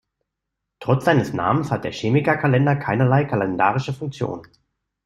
Trotz seines Namens hat der Chemiker-Kalender keinerlei kalendarische Funktion.